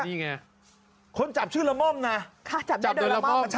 นี่ไงคนจับชื่อละม่อมนะค่ะจับได้โดยละม่อม